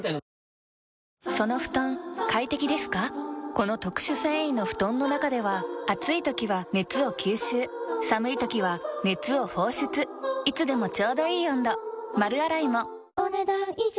この特殊繊維の布団の中では暑い時は熱を吸収寒い時は熱を放出いつでもちょうどいい温度丸洗いもお、ねだん以上。